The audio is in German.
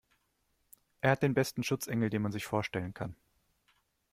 Er hat den besten Schutzengel, den man sich vorstellen kann.